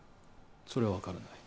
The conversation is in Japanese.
それは分からない。